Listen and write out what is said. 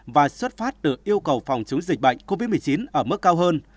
và xuất phát từ yêu cầu phòng chống dịch bệnh covid một mươi chín ở mức cao hơn